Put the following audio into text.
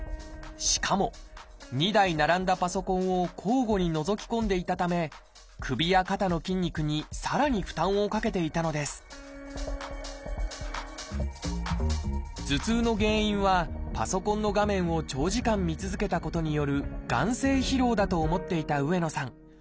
しかも２台並んだパソコンを交互にのぞき込んでいたため首や肩の筋肉にさらに負担をかけていたのです頭痛の原因はパソコンの画面を長時間見続けたことによる眼精疲労だと思っていた上野さん。